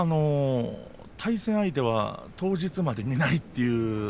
対戦相手は当日まで見ないという。